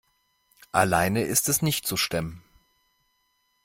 Alleine ist es nicht zu stemmen.